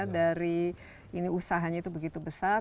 dari ini usahanya itu begitu besar